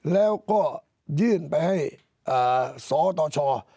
แล้วก็ยื่นไปให้สตช